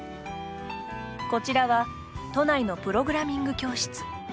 こちらは、都内のプログラミング教室。